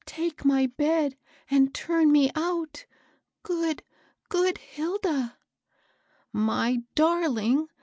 take my bed and turn me out! Good, good Hilda!" " My darling